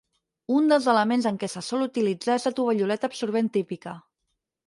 Un dels elements en què se sol utilitzar és la "tovalloleta absorbent" típica.